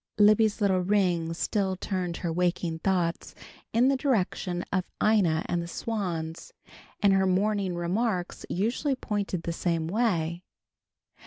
Libby's little ring still turned her waking thoughts in the direction of Ina and the swans, and her morning remarks usually pointed the same way.